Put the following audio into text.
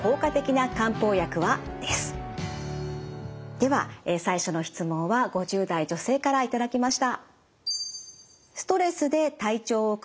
では最初の質問は５０代女性から頂きました。